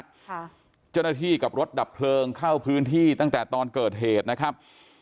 เจ้าหน้าที่กับรถดับเพลิงเข้าพื้นที่ตั้งแต่ตอนเกิดเหตุนะครับ